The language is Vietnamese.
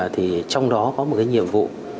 thì trong đó có một nhiệm vụ